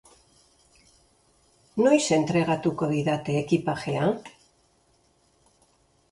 Noiz entregatuko didate ekipajea?